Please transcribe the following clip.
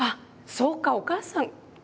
そうかお母さん。